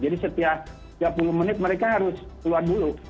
jadi setiap tiga puluh menit mereka harus keluar dulu